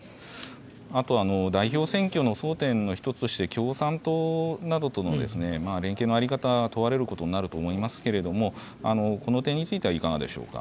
あと、代表選挙の争点の一つとして、共産党などとの連携の在り方、問われることになると思いますけれども、この点についてはいかがでしょうか。